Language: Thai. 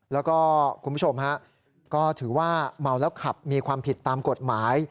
แล้วก็คุณผู้ชมฮะก็ถือว่าเมาแล้วขับมีความผิดตามกฎหมาย